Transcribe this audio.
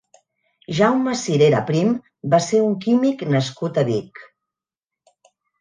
Jaume Cirera Prim va ser un químic nascut a Vic.